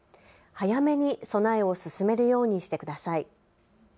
早めに備えを進めるようにしてください。